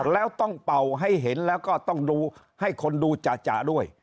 แล้วต้องเป่าให้เห็นก็ให้คนดูจาด้วย